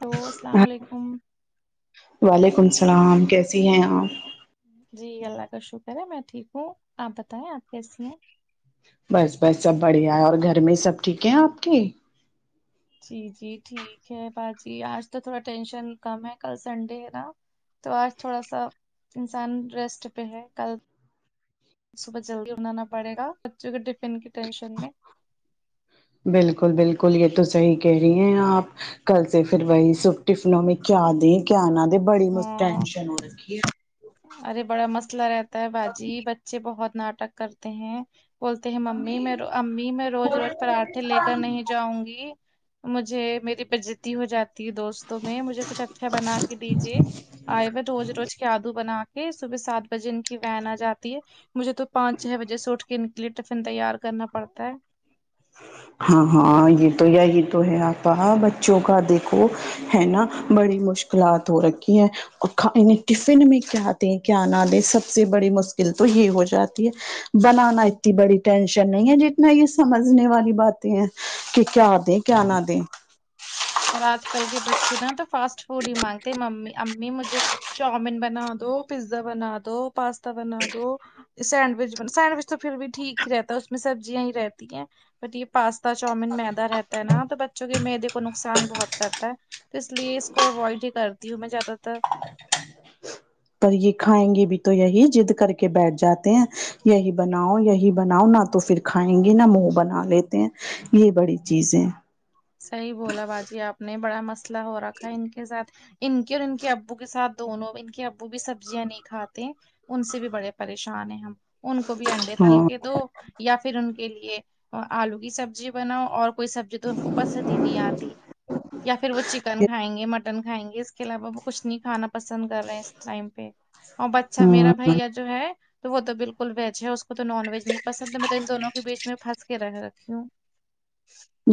hello السلام ہاں علیکم وعلیکم السلام کیسی ہیں آپ جی اللہ کا شکر ہے میں ٹھیک ہوں آپ بتائیں آپ کیسی ہیں بس بس سب بڑھیا ہے اور گھر میں سب ٹھیک ہیں آپ کے جی جی ٹھیک ہے باجی آج تو تھوڑا ٹینشن کم ہے کل سنڈے ہے نا تو آج تھوڑا سا انسان ریسٹ پہ ہے کل صبح جلدی اڑنا نا پڑے گا بچوں کے ٹفین کی ٹینشن میں بالکل بالکل یہ تو صحیح کہہ رہی ہیں آپ کل سے پھر وہی س ٹفنوں میں کیا دے کیا نہ دے بڑی م ہاں ٹینشن ہو رکھی ہے ارے بڑا مسئلہ رہتا ہے باجی بچے بہت ناٹک کرتے ہیں بولتے ہیں ممی میں امی میں روز روز پراٹھے لے کر نہیں جاؤں گی مجھے میری [unintelligible] تی ہو جاتی ہے دوستوں میں مجھے کچھ اچھا بنا کے دیجیے آئے ہو روز روج کیا دوں بنا کے صبح سات بجے ان کی وین آ جاتی ہے مجھے تو پانچ چھ بجے سے اٹھ کے ان کے لیے ٹفن تیار کرنا پڑتا ہے ہاں ہاں یہ تو یہی تو ہے آپا بچوں کا دیکھو ہے نا بڑی مشکلات ہو رکھی ہے یں ٹفن میں کیا دیں کیا نہ دیں سب سے بڑی مشکل تو یہ ہو جاتی ہے بنانا اتنی بڑی ٹینشن نہیں ہے جتنا یہ سمج سنے والی باتیں ہیں کہ کیا دیں کیا نہ دیں اور آج کل کے ب چے نا تو فاسٹ فوڈ ہی مانگتے ممی امی مجھے چاؤمین بنا دو پیزا بنا دو پاستا بنا دو سینڈوچ بن سینڈوچ تو پھر بھی ٹھیک ہی رہتا ہے اس میں سبزیاں ہی رہتی ہیں بٹ یہ پاس تا چاومین میدا رہتا ہے نا تو بچوں کے میدے کو نقصان بہت کرتا ہے تو اس لیے اس کو اوائڈ ہی کرتی ہوں میں زیادہ تر [unintelligible] پر یہ کھائیں گے بھی تو یہی جد کر کے بیٹھ جاتے ہیں یہی بناؤ یہی بناؤ نہ تو پھر کھائیں گے نا منہ بنا لیتے ہیں یہ بڑی چیزیں صحیح بولا باجی آپ نے بڑا مسئلہ ہو رکھا ہے ان کے ساتھ ان کے اور ان کے ابو کے ساتھ دونوں ان کے ابو بھی سبزیاں نہیں کھاتے ان سے بھی بڑے پریشان ہیں ہم ان کو بھی انڈے تل ہاں کے دو یا پھر ان کے لیے آلو کی سبزی بناؤ اور کوئی سبزی تو ان کو پسند ہی نہیں آتی یا پھر وہ چکن کھائیں گے مٹ ٹن کھایں گے اس کے علاوہ وہ کچھ نہیں کھانا پسند کر رہے ہیں اس ٹائم پہ اور بچہ میرا ہوں بھیا جو جو ہے تو وہ تو بالکل ویج ہے اس کو تو نان ویج نہیں پسند ہے میں تو ان دونوں کے بیچ میں پھنس کے رہ رکھی ہوں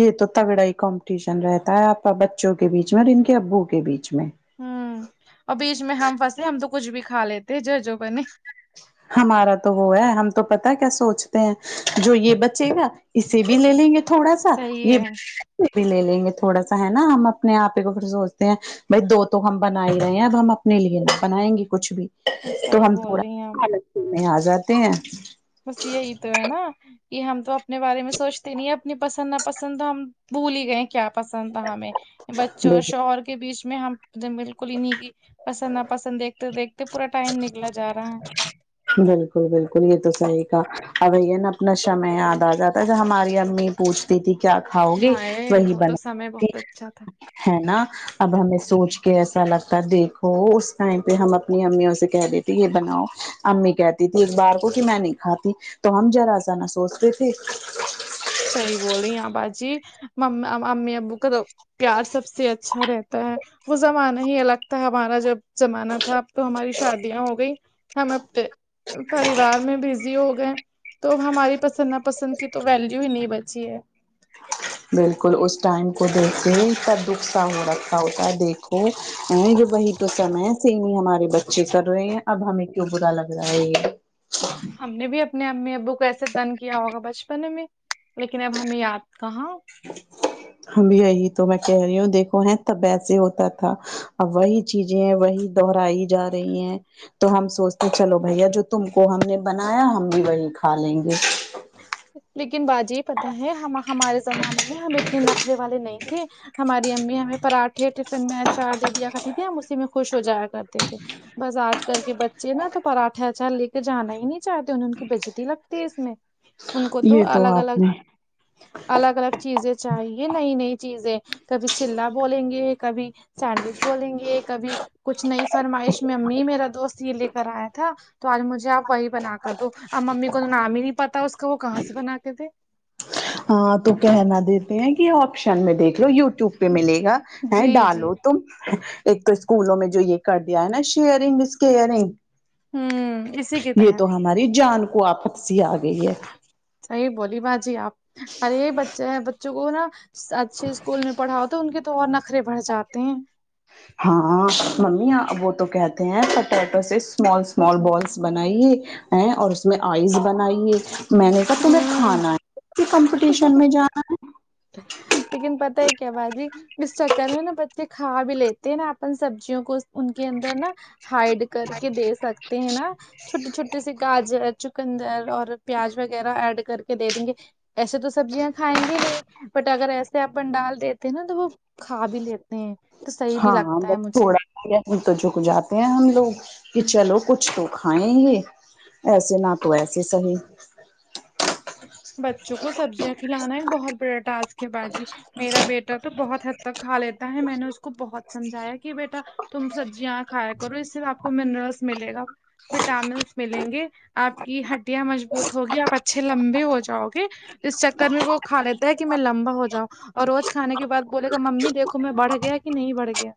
یہ تو تگڑا ہی کمپٹیشن رہتا ہے آپ بچوں کے بیچ میں اور ان کے ابو کے بیچ میں ہوں اور بیچ میں ہم پھنسے ہم تو کچھ بھی کھا لیتے جو جو بنے ہمارا تو ہو ہے ہم تو پتا کیا سوچتے ہیں جو یہ بچے گا اسے بھی لے لیں گے تھوڑا سا صحیح یہ ہے بھی لے لیں گے تھوڑا سا ہے نا ہم اپنے آپ ہی کو پھر سوچتے ہیں بھائی دو تو ہم بنا ہی رہے ہیں اب ہم اپنے لیے نا بنائیں گے کچھ بھی تو صحیح ہم بول تھوڑا رہی ہیں آپ آ جاتے ہیں بس یہ ہی تو ہے نا یہ ہم تو اپنے بارے میں سوچتے نہیں ہے اپنی پسند نا پسند تو ہم بھول ہی گئے کیا پسند تھا ہمیں بچوں اور شوہر کے بیچ میں اس میں ہم بلکل انہیں کی پسند نہ پسند دیکھتے دیکھتے پورا ٹائم نکلا جا رہا ہے بلکل بلکل یہ تو سہی کھا اب اپنا شمعے یاد آ جاتا ہے جو ہماری امی پوچھتی تھی کیا کھاؤ ہے گے ہائے وہی وہ تو سمے بنا بہت اچھا تھا ہے نا اب ہمیں سوچ کے ایسا لگتا دیکھو اس ٹائم پہ ہم اپنی امیوں سے کہہ دیتے یہ بناؤ امی کہتی تھی ایک بار کو کہ میں نہیں کھاتی تو ہم جارا سا نہ سوچتے تھے سہی بول رہی آپ باجی امی ابو کا تو پیار سب سے اچھا رہتا وہ زمانہ ہی الگ تھا ہمارا جب زمانہ تھا اب تو ہماری شادیاں ہو گئی ہم آپتے پریوار میں بزی ہو گئے تو ہماری پسند نا پسند کی تو ویلو نہیں بچی ہے بلکل اس ٹائم کو دیکھتے ہی سب کچھ سامنے رکھا ہوتا دیکھو یہ وہی تو سمے سے ہی ہمارے بچے کر رہے ہیں اب ہم کیوں برا لگ رہا ہے یہ ہم نے بھی اپنے امی ابو کو ایسے تنگ کیا ہوگا بچپن میں لیکن اب ہمیں یاد کہاں ہم یہی تو میں کہہ رہی ہوں دیکھو ہے تب ویسے ہوتا تھا اب وہی چیزیں ہیں وہی دہرائی جا رہی ہیں تو ہم سوچتے چلو بھیا جو تم کو ہم نے بنایا ہم بھی وہی کھا لیں گے لیکن باجی پتہ ہے ہم ہمارے زمانے میں ہم اتنے نخرے والے نہیں تھے ہماری امی ہمیں پراٹھے ٹفن میں اچار دے دیا کرتی تھی ہم اسی میں خوش ہو جایا کرتے تھے بس آج کل کے بچے نا تو پراٹھے اچار لے کے جانا ہی نہیں چاہتے انہیں ان کی بیزاتی لگتی ہے اس میں ان کو تو یہ الگ آپ الگ نے الگ الگ چیزیں چاہیے نئی نئی چیزیں کبھی چیلا بولیں گے کبھی سینڈوچ بولیں گے کبھی کچھ نئی فرمائش میں امی میرا دوست یہ لے کر آیا تھا تو آج مجھے آپ وہی بنا کر دو اب ممی کو تو نام ہی نہیں پتا اس کا وہ کہاں سے بنا کے دے ہاں تو کہنا دیتے ہیں کہ آپ شن میں دیکھ لو یو ٹیوب پہ ملے گا ہے جی جی ڈالو تم ایک تو اسکولوں میں جو یہ کر دیا ہے نا شیئرنگ اسکیئرنگ ہوں اسی کے یہ تو تحت ہماری جان کو آفت سی آ گئی ہے سہی بولی باجی آپ ارے یہ بچے ہیں بچوں کو نا اچھے اسکول میں پڑھاؤ تو ان کے تو اور نخرے بڑھ جاتے ہیں ہاں ممی وہ تو کہتے ہیں پوٹیٹو سے اسمال اسمال بالس بنائیے ہیں اور اس میں آئز بنائیے میں نے کہا تمہیں ہوں کھانا ہے کسی کمپٹیشن میں جانا ہے لیکن پتہ ہے کیا باجی اس چکر میں نا بچے کھا بھی لیتے نا اپن سبزیوں کو ان کے اندر نا ہائڈ کر کے دے سکتے ہیں نا چھوٹے چھوٹے سے گاجر چکندر اور پیاز وغیرہ ایڈ کر کے دے دیں گے ایسے تو سبزیاں کھائیں گے نہیں بٹ اگر ایسے اپن ڈال دیتے ہیں نا تو وہ کھا بھی لیتے ہیں تو صحیح بھی لگتا ہے مجھے ہم تو جھک جاتے ہیں ہم لوگ کہ چلو کچھ تو کھائیں یہ ایسے نہ تو ایسے صحیح بچوں کو سبزیاں کھلانا ہی بہت بڑا ٹاسک ہے باجی میرا بیٹا تو بہت حد تک کھا لیتا ہے میں نے اس کو بہت سمجھایا کہ بیٹا تم سبزیاں کھایا کرو اس سے آپ کو منرلس ملے گا وٹامنس ملیں گے آپ کی ہڈیاں مضبوط ہوگی آپ اچھے لمبے ہو جاؤگے اس چکر میں وہ کھا لیتا ہے کہ میں لمبا ہو جاؤں اور روز کھانے کے بعد بولے گا ممی دیکھو میں بڑھ گیا کہ نہیں بڑھ گیا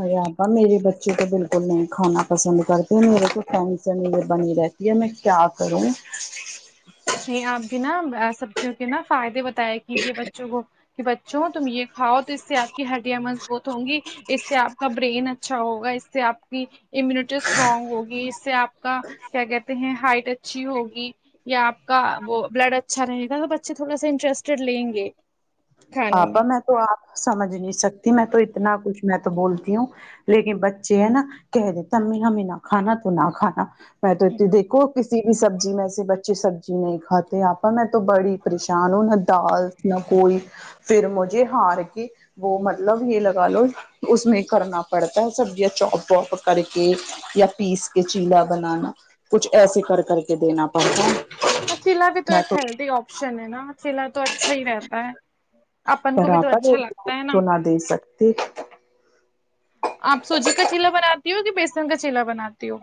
ارے آپا میرے بچے تو بالکل نہیں کھانا پسند کرتے میرے کو ٹنشن ہی بنی رہتی یہ میں کیا کروں نہیں آپ بھی نہ سبزیوں کے نہ فائدے بتایا کیجے بچوں کو کہ بچوں تم یہ کھاؤ تو اس سے آپ کی ہڈیاں مضبوط ہوں گی اس سے آپ کا برین اچھا ہوگا اس سے آپ کی امیونٹی اسٹرانگ ہوگی اس سے آپ کا کیا کہتے ہیں ہائٹ اچھی ہوگی یا آپ کا وہ بلڈ اچھا رہے گا تو بچے تھوڑا سا انٹرسٹیڈ لیں گے آپا میں تو آپ کو سمجھ نہیں سکتی میں تو اتنا کچھ میں تو بولتی ہوں لیکن بچے ہے نہ کہے دیتے ہمیں نہ کھانا تو نہ کھانا میں تو اتی دیکھو کسی بھی سبزی میں سے بچ ے سبزی نہیں کھاتے آپا میں تو بڑی پریشان ہوں نہ دال نہ کوئی پھر مجھے ہار کی وہ مطلب یہ لگا لو اس میں کرنا پڑتا ہے سبزیاں چوپ واپ کر کے یا پیس کے چیلا بنانا کچھ ایسے کر کر کے دینا پڑتا وہ چیلا بھی تو ایک ہیلدی آپشن ہے نا چیلا تو اچھا ہی رہتا ہے اپن کو پر بھی تو آپا اچھا روز روز لگتا ہے تو نا نہ دے سکتے آپ سوجی کا چیلا بناتی ہو یہ بیسن کا چیلا بناتی ہو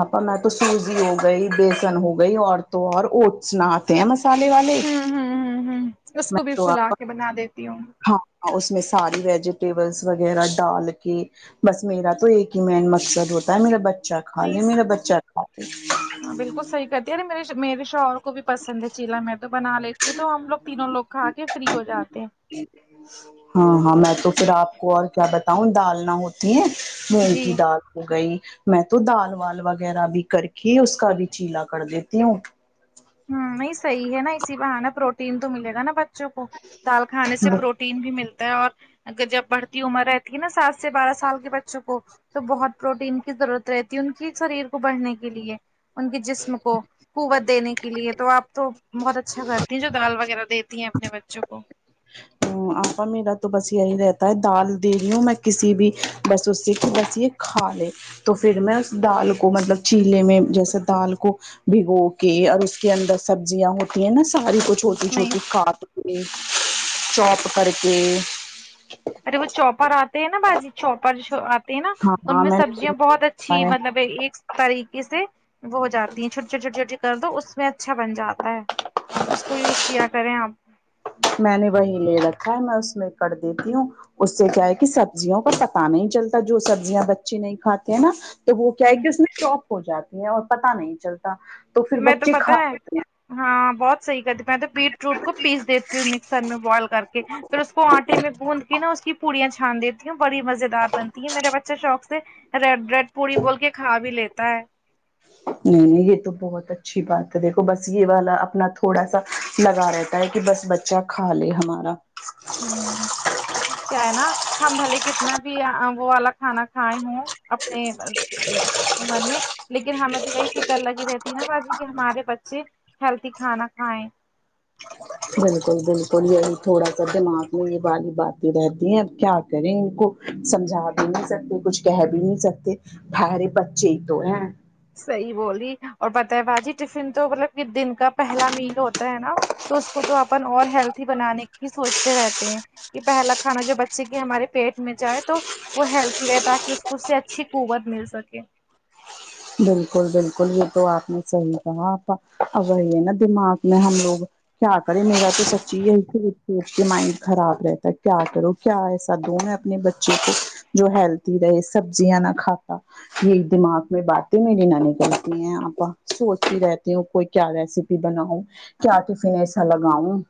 آپا میں تو سوزی ہو گئی بیسن ہو گئی اور تو اور اوٹس نہ تے ہیں مسالے والے ہوں ہوں ہوں ہوں اس میں کو بھی تو پھلا آپ کے بنا دیتی ہوں ہاں اس میں ساری ویجیٹیبلس وغیرہ ڈال کے بس میرا تو ایک ہی مین مقصد ہوتا ہے میرا بچہ کھا لے نائس میرا بچہ کھا لے ہاں بالکل صحیح کہتی کے میرے میرے شوہر کو بھی پسند ہے چیلا میں تو بنا لیتی ہوں تو ہم لوگ تینوں لوگ کھا کے فری ہو جاتے ہیں ہاں ہاں میں تو پھر آپ کو اور کیا بتاؤں دال نہ ہوتی ہے مونگ جی کی دال ہو گئی میں تو دال وال وغیرہ بھی کر کے اس کا بھی چیلا کر دیتی ہوں ہوں نہیں صحیح ہے نہ اسی بہانے پروٹین تو ملے گا نہ بچوں کو دال کھانے سے پرو ٹین بھی ملتا ہے اور اگر جب بڑھتی عمر رہتی ہے نہ سات سے بارہ سال کے بچوں کو تو بہت پروٹین کی ضرورت رہتی ہے ان کی شریر کو بڑھنے کے لیے ان کے جسم کو قوت دینے کے لیے تو آپ تو بہت اچھا کرتی جو دال وغیرہ دیتی ہیں اپنے بچوں کو آپا میرا تو بس یہی رہتا ہے دال دے رہی ہوں میں کسی بھی بس اس سے کی بس یہ کھا لے تو پھر میں اس دال کو مطلب چیلے میں جیسے دال کو بھگو کے اور اس کے اندر سبزیاں ہوتی ہیں نا ساری کچھ ہو چھوٹی نہیں چھوٹی کاٹ کے چوپ کر کے ارے وہ چوپر آتے ہیں نہ باجی چوپرش آتے ہیں نہ ہاں ان ہاں میں سبزیاں بہت اچھی نے مطلب ا ایک طریقے سے وہ ہو جاتی ہیں چھوٹی چھوٹی چھوٹی چھوٹی کر دو اس میں اچھ اچھا بن جاتا ہے اس کو یوز کیا کریں آپ میں نے وہی لے رکھا ہے میں اس میں کر دیتی ہوں اس سے کیا ہے کہ سبزیوں کا پتا نہیں چلتا جو سبزیاں بچے نہیں کھاتے ہیں نہ وہ کیا ہے ہمم کہ اس میں چوپ ہو جاتی ہے اور پتہ نہیں چلتا پھر میں تو بچے پتا کھا لیتے ہے ہاں بہت صحیح کرتی میں تو بیٹروٹ کو پیس دیتی ہوں مکسر میں بوائل کر کے پھر اس کو آٹے میں گوند کے نا اس کی پوریاں چھان دے بڑی مزے دار بنتی ہے میرا بچہ شوق سے ریڈ ریڈ پوری بول کے کھا بھی لیتا ہے نہیں یہ تو بہت اچھی بات ہے دیکھو بس یہ والا اپنا تھوڑا سا لگا رہتا ہے کہ بس ب چہ کھا لے ہمارا ہوں کیا ہے نا ہم بھلے کتنا بھی وہ والا کھانا کھائے ہوں اپنے آ اے عمر میں لیکن ہمیں تو یہی ف کر لگی رہتی ہے نا باجی کہ ہمارے بچے ہیلٹی کھانا کھائیں بالکل بالکل یہی تھوڑا سا دماغ میں یہ والی باتیں رہتی ہیں اب کیا کریں ان کو سمجھا بھی نہیں سکتے کچھ کہہ بھی نہیں سکتے بیھرے بچے ہی تو ہیں صحیح بولی اور بتائے باجی ٹفن تو مطلب کہ دن کا پہلا میل ہوتا ہے نا تو اس کو تو اپن اور ہیلتی بنانے کی سوچتے رہتے ہیں یہ پہلا کھانا جو بچے کی ہمارے پیٹ میں جائے تو وہ ہیلتی رہے تاکہ اس کو اس سے اچھی قوت مل سکے بالکل بالکل یہ تو آپ نے صحیح کہا آپا اب وہی ہے نا دماغ میں ہم لوگ کیا کرے میرا تو سچی یہی سوچ کے مائنڈ خراب رہتا ہے کیا کروں کیا ایسا دوں میں اپنے بچے کو جو ہیلتی رہے سبزیاں نہ کھاتا یہ ایک دماغ میں بات تو میری نانی کہتی ہیں آپ سوچتی رہتی ہوں کوئی کیا ریسیپی بناؤ کیا ٹفن ایسا لگاؤں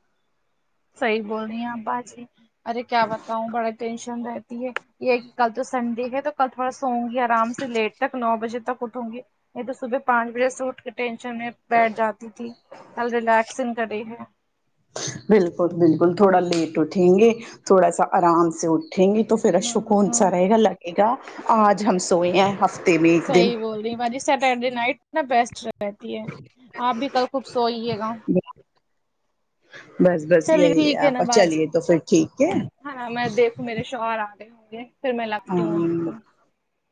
صحیح بول رہی ہیں آپ باجی ارے کیا بتاؤں بڑا ٹینشن رہ یہ یہ کل تو سنڈے ہے تو کل تھوڑا سوؤں کے آرام سے لیٹ تک نو بجے تک اٹھوں گی نہیں تو صبح پانچ بجے سے اٹھ کے ٹینشن میں بیٹھ جاتی تھی کل ریلیکسنگ کری ہوں بالکل بالکل تھوڑا لیٹ اٹھیں گے تھوڑا سا آرام سے ا ٹھیں گی تو پھر ہمم سکون ہمم سا رہے گا لگے گا آج ہم سوئے ہیں ہفت صحیح بول رہی باجی سٹرڈے نائٹ میں بیسٹ رہتی ہے آپ بھی کل خوب سوئیے گا بس بس چلیے یہی ٹھیک ہے نا آپا چلیے باجی تو پھر ٹھیک ہے ہاں میں دیکھوں میرے شوہر آگے ہوں گے پھر میں لگتی ہوں آمین آپ کو